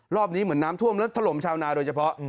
เหมือนน้ำท่วมแล้วถล่มชาวนาโดยเฉพาะ